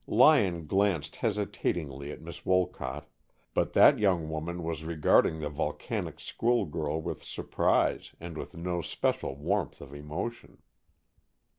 Lyon glanced hesitatingly at Miss Wolcott, but that young woman was regarding the volcanic schoolgirl with surprise and with no special warmth of emotion.